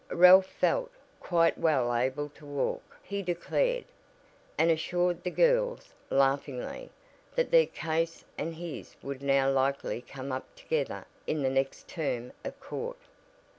Ralph felt quite well able to walk, he declared, and assured the girls, laughingly, that their case and his would now likely "come up" together in the next term of court.